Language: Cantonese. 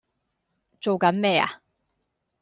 做緊咩呀